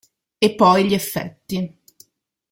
E poi gli effetti.